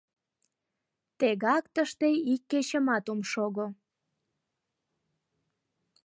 Тегак тыште ик кечымат ом шого.